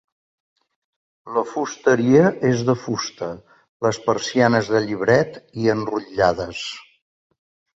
La fusteria és de fusta, les persianes de llibret i enrotllades.